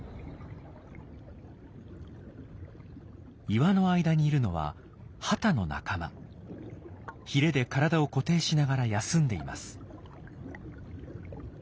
岩の間にいるのはヒレで体を固定しながら休んでいます。